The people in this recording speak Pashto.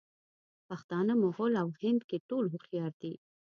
پښتانه، مغل او هندکي ټول هوښیار دي.